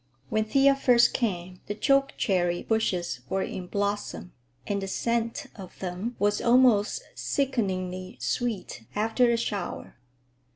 When Thea first came, the chokecherry bushes were in blossom, and the scent of them was almost sickeningly sweet after a shower.